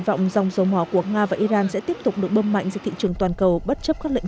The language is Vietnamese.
vọng dòng dầu mỏ của nga và iran sẽ tiếp tục được bơm mạnh ra thị trường toàn cầu bất chấp các lệnh